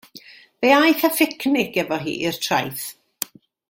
Fe aeth â phicnic efo hi i'r traeth.